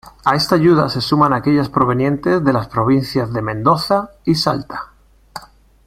A esta ayuda se suman aquellas provenientes de las provincias de Mendoza y Salta.